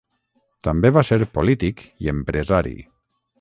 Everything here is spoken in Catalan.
També va ser polític i empresari.